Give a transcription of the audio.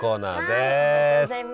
ありがとうございます。